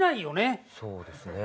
そうですね。